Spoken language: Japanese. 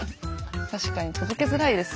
確かに届けづらいですよね。